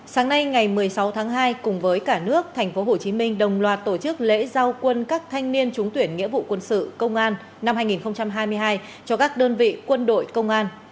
sáng nay ngày một mươi sáu tháng hai cùng với cả nước thành phố hồ chí minh đồng loạt tổ chức lễ giao quân các thanh niên trúng tuyển nghĩa vụ quân sự công an năm hai nghìn hai mươi hai cho các đơn vị quân đội công an